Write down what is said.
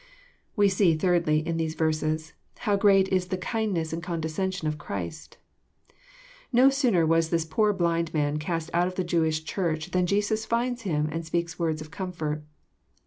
We see, thirdly, iH these verses, Jiow great is the ki'nd' ness aTid condescension of Christ. No sooner was this poor blind man cast out of the Jewish Church than Jesus finds him and speaks words of comfort.